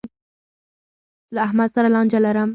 له احمد سره لانجه لرم.